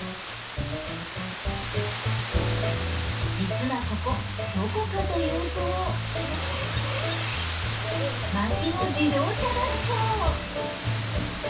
実はここどこかというと町の自動車学校！